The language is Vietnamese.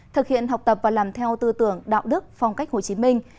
thực hiện học tập và làm theo tư tưởng đạo đức phong cách hồ chí minh